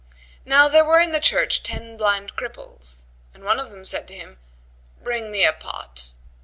Now there were in the church ten blind cripples, and one of them said to him, "Bring me a pot."